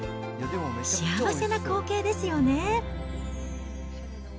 幸せな光景ですよね。